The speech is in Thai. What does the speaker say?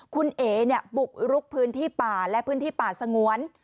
คุณเอ๋บุกรุกพื้นที่ป่าและพื้นที่ป่าสงวน